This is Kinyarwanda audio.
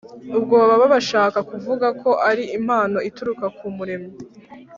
. Ubwo baba bashaka kuvuga ko ari impano ituruka ku Muremyi.